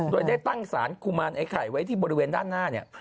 โดยได้ตั้งสารกุมารไอ้ไข่ไว้ที่บริเวณด้านหน้าเนี่ย